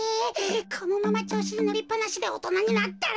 このままちょうしにのりっぱなしでおとなになったら。